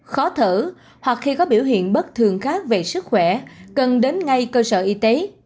khó thở hoặc khi có biểu hiện bất thường khác về sức khỏe cần đến ngay cơ sở y tế